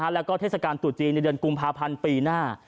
แล้วก็เทศกาลตุจีนในเดือนกุมภาพันธ์ปีหน้า